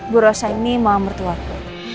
bu rosa ini mama mertuaku